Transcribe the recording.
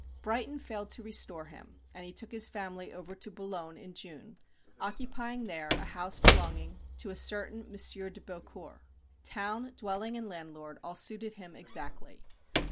Brighton failed to restore him; and he took his family over to Boulogne in June, occupying there a house belonging to a certain M. de Beaucourt. Town, dwelling, and landlord, all suited him exactly.